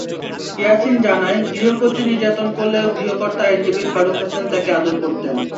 ইয়াসিন জানায়, গৃহকর্ত্রী নির্যাতন করলেও গৃহকর্তা আইনজীবী ফারুক হাসান তাকে আদর করতেন।